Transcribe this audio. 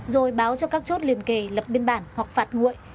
rồi báo cho các chốt liền kề lập biên bản hoặc phạt nguội